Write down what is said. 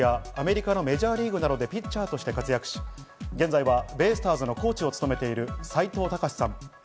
プロ野球・横浜ベイスターズや、アメリカのメジャーリーグなどでピッチャーとして活躍し、現在はベイスターズのコーチを務めている斎藤隆さん。